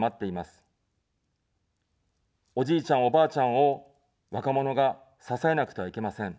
おじいちゃん、おばあちゃんを若者が支えなくてはいけません。